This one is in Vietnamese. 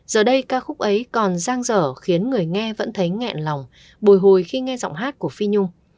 giờ đây ca khúc ấy còn giang dở khiến người nghe vẫn thấy nghẹn lòng bồi hồi khi nghe giọng hát của phi nhung